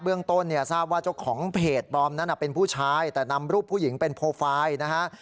เรื่องต้นเนี่ยทราบว่าเจ้าของเพจปลอมนั้นเป็นผู้ชายแต่นำรูปผู้หญิงเป็นโปรไฟล์นะฮะ